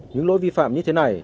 những lỗi vi phạm như thế này